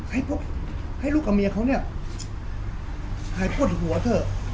ให้ลูกกับเมียเขาเนี่ยหายปวดหัวเถอะ